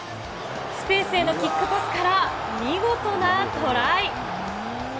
スペースへのキックパスから、見事なトライ。